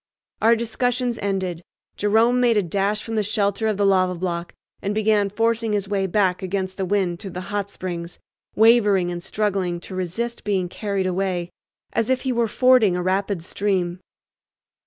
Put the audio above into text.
Our discussions ended, Jerome made a dash from the shelter of the lava block and began forcing his way back against the wind to the "Hot Springs," wavering and struggling to resist being carried away, as if he were fording a rapid stream.